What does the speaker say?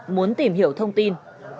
muốn tìm hiểu thông tin